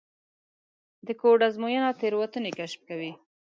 د کوډ ازموینه تېروتنې کشف کوي.